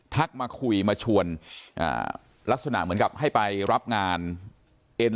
ทักมาคุยมาชวนลักษณะเหมือนกับให้ไปรับงาน